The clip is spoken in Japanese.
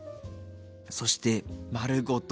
そして丸ごと